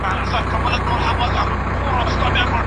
آیا عربي ژبي د سیاست کلمې ته ډېره پراخه مانا ورکړې ده؟